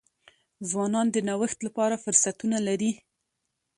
ځوانان د نوښت لپاره فرصتونه لري.